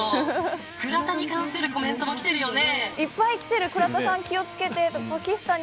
倉田に関するコメントも来てるよね。